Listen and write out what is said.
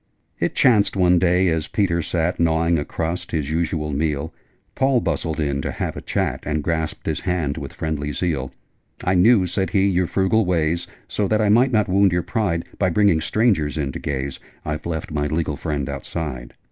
It chanced one day, as Peter sat Gnawing a crust his usual meal Paul bustled in to have a chat, And grasped his hand with friendly zeal. 'I knew,' said he, 'your frugal ways: So, that I might not wound your pride By bringing strangers in to gaze, I've left my legal friend outside!